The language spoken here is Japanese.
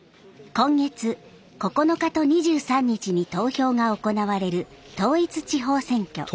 今月９日と２３日に投票が行われる統一地方選挙。